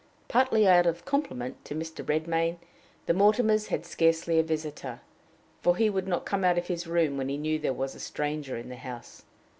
Partly out of compliment to Mr. Redmain, the Mortimers had scarcely a visitor; for he would not come out of his room when he knew there was a stranger in the house.